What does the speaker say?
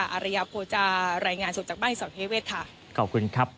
อารยาโพจะแรงงานสดจากบ้านศรีเสาเทเวชค่ะขอบคุณครับ